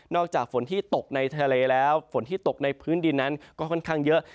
จากฝนที่ตกในทะเลแล้วฝนที่ตกในพื้นดินนั้นก็ค่อนข้างเยอะ